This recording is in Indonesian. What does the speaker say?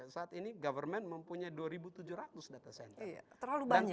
saat ini government mempunyai dua tujuh ratus data center